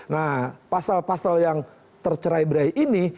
nah pasal pasal yang tercerai berai ini